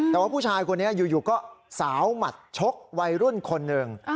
แต่ว่าผู้ชายคนนี้อยู่ก็สาวหมัดชกวัยรุ่นคนหนึ่ง